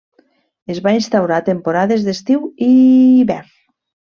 Es van instaurar temporades d'estiu i hivern.